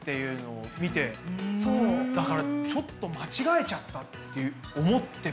だからちょっと間違えちゃったって思っても。